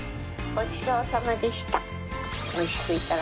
ごちそうさまでした。